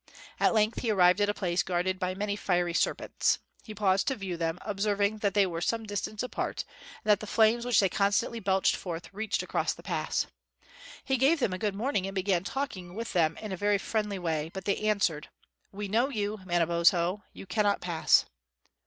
At length he arrived at a place guarded by many fiery serpents. He paused to view them, observing that they were some distance apart, and that the flames which they constantly belched forth reached across the pass. He gave them a good morning and began talking with them in a very friendly way; but they answered: "We know you, Manabozho; you cannot pass."